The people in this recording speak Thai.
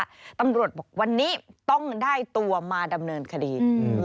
ตำรวจบอกวันนี้ต้องได้ตัวมาดำเนินคดี